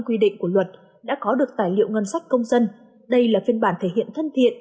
quy định của luật đã có được tài liệu ngân sách công dân đây là phiên bản thể hiện thân thiện